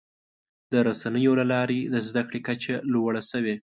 د رسنیو له لارې د زدهکړې کچه لوړه شوې.